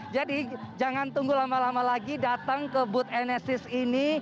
jadi jangan tunggu lama lama lagi datang ke booth enesis ini